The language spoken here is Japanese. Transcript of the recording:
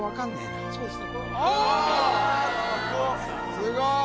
すごーい